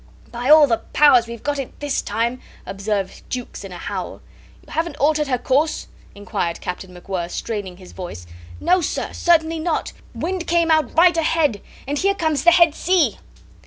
"By all the powers! We've got it this time," observed Jukes in a howl. "You haven't altered her course?" inquired Captain MacWhirr, straining his voice. "No, sir. Certainly not. Wind came out right ahead. And here comes the head sea."